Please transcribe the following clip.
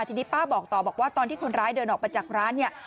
ทีนี้ป้าบอกตอนที่คนร้ายเดินออกไปจากร้านเนี่ย